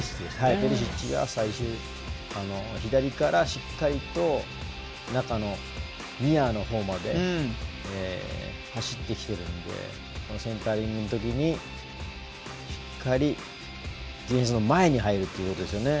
ペリシッチが最終しっかりと中のニアのほうまで走ってきているのでこのセンタリングのときにしっかり前に入るということです。